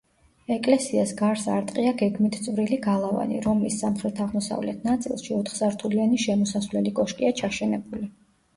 ეკლესიას გარს არტყია გეგმით წვრილი გალავანი, რომლის სამხრეთ-აღმოსავლეთ ნაწილში ოთხსართულიანი შესასვლელი კოშკია ჩაშენებული.